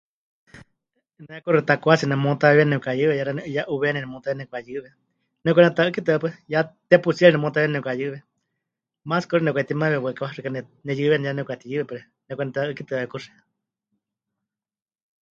Ne kuxi takwatsi nemutaweewíeni nepɨkayɨwe ya xeeníu 'iyá 'uweni nemutaweewíeni nepɨkayɨwe, nepɨka'uneta'ɨ́kitɨa pues, ya tepu tsiere nemutaweewíeni nemɨkayɨwe, maatsi kuxi nepɨkatimaiwé waɨkawa xɨka ne... neyɨweni ya nepɨkatiyɨwe pues, nepɨkaneta'ɨ́kitɨawe kuxi.